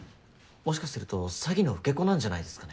もしかすると詐欺の受け子なんじゃないですかね。